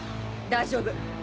大丈夫！